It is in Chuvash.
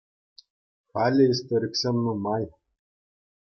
Халӗ историксем нумай.